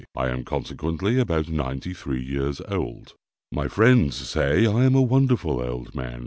I am consequently about ninety three years old. My friends say I am a wonderful old man.